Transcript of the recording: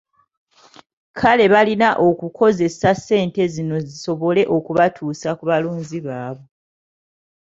Kale balina okukozesa ssente zino zisobole okubatuusa ku balonzi baabwe.